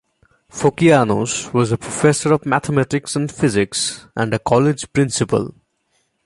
Phokianos was a professor of mathematics and physics and a college principal.